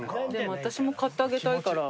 私も買ってあげたいから。